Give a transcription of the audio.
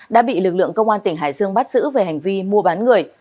đã bị lực lượng công an tỉnh hải dương bắt giữ về hành vi mua bán người